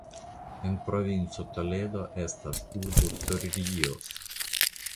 En provinco Toledo estas urbo Torrijos.